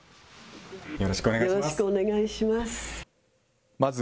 よろしくお願いします。